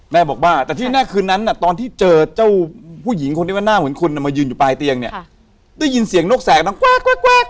แม่บอกบ้าแต่ที่หน้าคืนนั้นน่ะตอนที่เจอเจ้าผู้หญิงคนนี้ว่าหน้าเหมือนคุณน่ะมายืนอยู่ปลายเตียงเนี่ยได้ยินเสียงนกแสกน้องกว๊ากกว๊ากกว๊าก